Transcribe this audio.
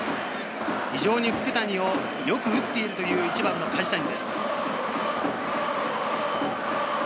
非常に福谷をよく打っているという１番・梶谷です。